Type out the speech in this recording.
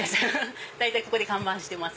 大体ここで看板してます。